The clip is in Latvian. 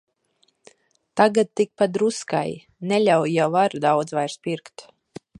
Tagad tik pa druskai, neļauj jau ar daudz vairs pirkt.